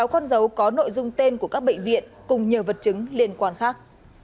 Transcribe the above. hình dấu có nội dung tên của các bệnh viện cùng nhiều vật chứng liên quan khác